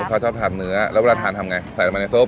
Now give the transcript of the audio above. เขาชอบทานเนื้อแล้วเวลาทานทำไงใส่ลงไปในซุป